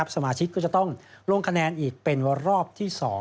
สมาชิกก็จะต้องลงคะแนนอีกเป็นรอบที่๒